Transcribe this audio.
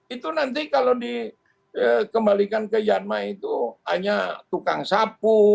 itu nanti kalau dikembalikan ke yanma itu hanya tukang sapu